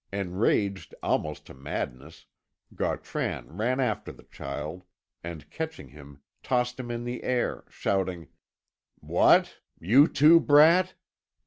Enraged almost to madness, Gautran ran after the child, and catching him, tossed him in the air, shouting: "What! you, too, brat?